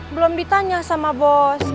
belum ditanya sama bos